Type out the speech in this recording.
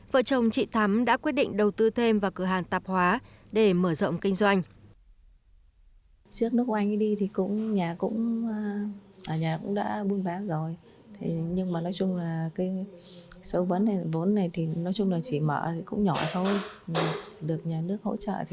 vợ chồng chị thắm đã quyết định đầu tư thêm vào cửa hàng tạp hóa để mở rộng kinh doanh